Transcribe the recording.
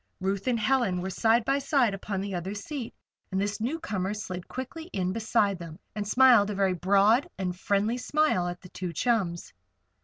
Ruth and Helen were side by side upon the other seat, and this newcomer slid quickly in beside them and smiled a very broad and friendly smile at the two chums.